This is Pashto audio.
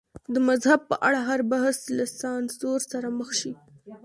د مذهب په اړه هر بحث له سانسور سره مخ شي.